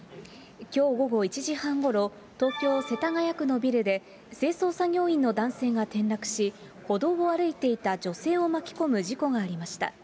きょう午後１時半ごろ、東京・世田谷区のビルで、清掃作業員の男性が転落し、歩道を歩いていた女性を巻き込む事故がありました。